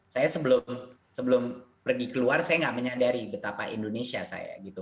saya sebelum pergi keluar saya nggak menyadari betapa indonesia saya gitu